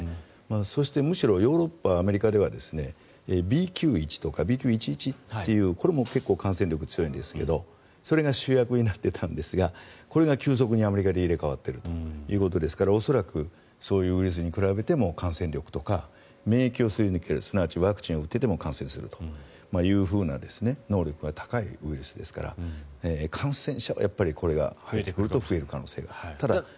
そしてむしろヨーロッパ、アメリカではＢＱ．１とかＢＱ．１．１とかこれも結構感染力が強いんですがそれが主役になっていたんですがこれが急速にアメリカで入れ替わっているということですから恐らくそういうウイルスに比べても感染力とか免疫をすり抜けるすなわちワクチンを打っていても感染するという能力が高いウイルスですから感染者はこれが増えてくると増えてくる可能性が高いと。